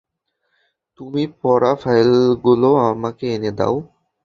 তুমি পড়া ফাইলগুলো আমাকে এনে দাও।